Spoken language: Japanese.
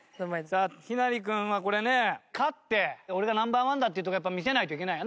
さあ陽成君はこれね勝って俺がナンバーワンだっていうとこやっぱ見せないといけないよね。